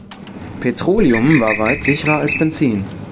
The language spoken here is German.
Petroleum war weit sicherer als Benzin.